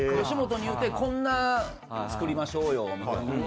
吉本に言うてこんなん作りましょうよみたいな。